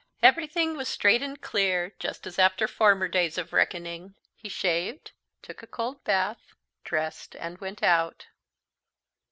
Everything was straight and clear, just as after former days of reckoning. He shaved, took a cold bath, dressed and went out.